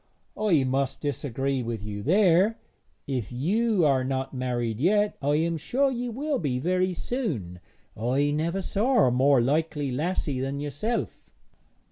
'I must disagree with you there. If you are not married yet, I am sure you will be very soon. I never saw a more likely lassie than yourself.'